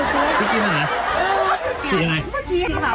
ห้าวหรือว่ามันอยู่ไหนวะ